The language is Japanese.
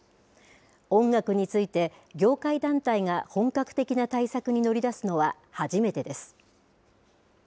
音楽について業界団体が本格的な対策に乗り出すのは初めてです。